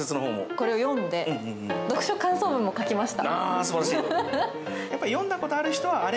これを読んで読書感想文も書きました。